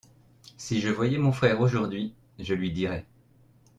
si je voyais mon frère aujourd'hui, je lui dirais.